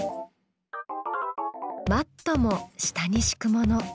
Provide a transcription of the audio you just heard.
マットも下にしくもの。